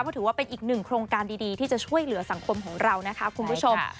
เพราะถือว่าเป็นอีกหนึ่งโครงการดีที่จะช่วยเหลือสังคมของเรานะคะคุณผู้ชม